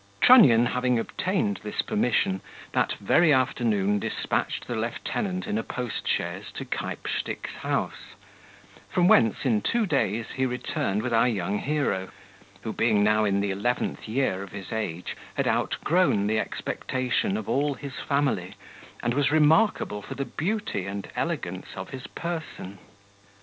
Trunnion having obtained this permission, that very afternoon despatched the lieutenant in a post chaise to Keypstick's house, from whence in two days he returned with our young hero, who being now in the eleventh year of his age, had outgrown the expectation of all his family, and was remarkable for the beauty and elegance of his person.